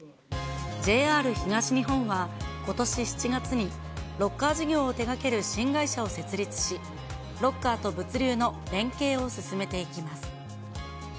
ＪＲ東日本はことし７月に、ロッカー事業を手がける新会社を設立し、ロッカーと物流の連携を進めていきます。